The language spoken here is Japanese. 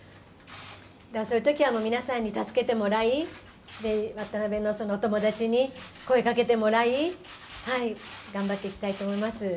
「だからそういう時は皆さんに助けてもらい渡辺のお友達に声掛けてもらい頑張っていきたいと思います」